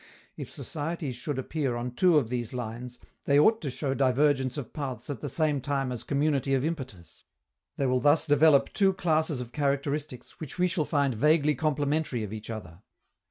If societies should appear on two of these lines, they ought to show divergence of paths at the same time as community of impetus. They will thus develop two classes of characteristics which we shall find vaguely complementary of each other.